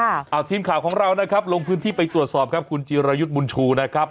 เอาทีมข่าวของเรานะครับลงพื้นที่ไปตรวจสอบครับคุณจิรายุทธ์บุญชูนะครับ